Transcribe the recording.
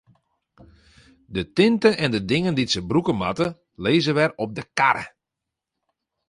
De tinte en de dingen dy't se brûke moatte, lizze wer op de karre.